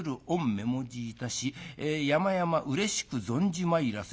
目もじいたしやまやまうれしく存じ参らせ』。